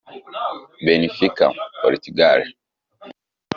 Benefica (Portugal)